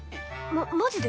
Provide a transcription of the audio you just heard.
ママジで！？